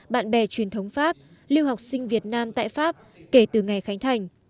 bạn bè truyền thống pháp lưu học sinh việt nam tại pháp kể từ ngày khánh thành